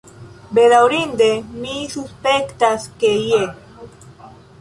Bedaŭrinde, mi suspektas ke jes.